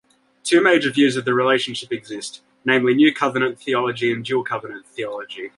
Two major views of the relationship exist, namely New Covenant theology and Dual-covenant theology.